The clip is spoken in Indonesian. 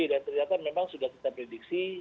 dan ternyata memang sudah kita prediksi